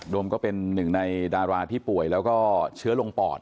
ก็เป็นหนึ่งในดาราที่ป่วยแล้วก็เชื้อลงปอด